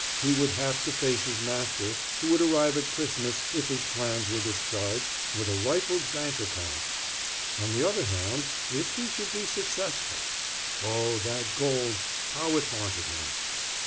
He would have to face his master, who would arrive at Christmas if his plans were discharged, with a rifled bank account. On the other hand, if he should be successful!—Oh! that gold, how it haunted him!